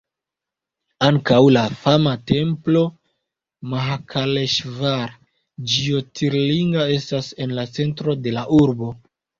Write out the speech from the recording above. Ankaŭ la fama templo Mahakaleŝvar Ĝjotirlinga estas en la centro de la urbo.